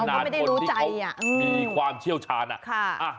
แน่นที่เค้ามีความเชี่ยวชานะ